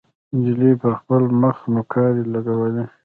نجلۍ پر خپل مخ نوکارې لګولې.